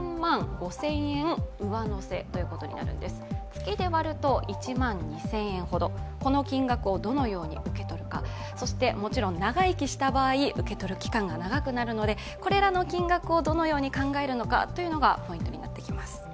月で割ると１万２０００円ほどこの金額をどのように受け取るか、そしてもちろん長生きした場合受け取る期間が長くなるのでこれらの金額をどのように考えるのかというのがポイントになってきます。